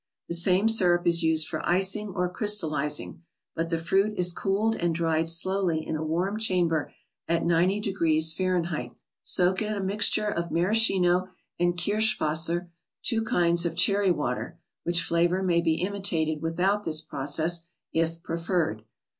The same syrup is used for icing, or crystalizing, but the fruit is cooled and dried slowly in a warm chamber at 90° Fahr. 52 THE BOOK OF ICES . Soak in a mixture of Maraschino and Kirschwasser (two kinds of cherry water, which flavor may be imitated with¬ out this process, if preferred).